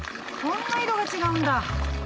こんな色が違うんだ。